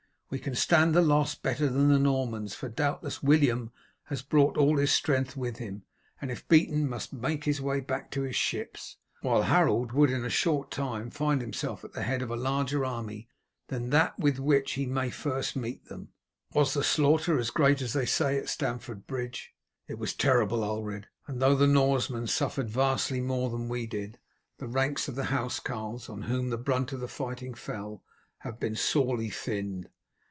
We can stand the loss better than the Normans, for doubtless William has brought all his strength with him, and if beaten must make his way back to his ships, while Harold would in a short time find himself at the head of a larger army than that with which he may first meet them. Was the slaughter as great as they say at Stamford Bridge?" "It was terrible, Ulred; and though the Norsemen suffered vastly more than we did, the ranks of the housecarls, on whom the brunt of the fighting fell, have been sorely thinned.